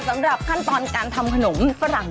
สำหรับขั้นตอนการทำขนมฝรั่ง